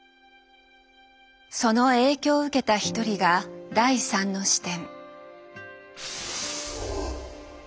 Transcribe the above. その影響を受けた一人が第３の視点。